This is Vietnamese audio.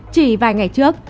chỉ vài ngày trước